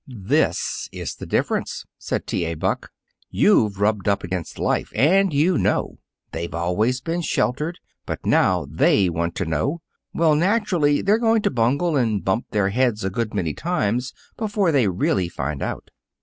"This is the difference," said T. A. Buck. "You've rubbed up against life, and you know. They've always been sheltered, but now they want to know. Well, naturally they're going to bungle and bump their heads a good many times before they really find out."